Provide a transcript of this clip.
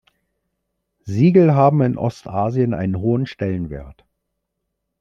Siegel haben in Ostasien einen hohen Stellenwert.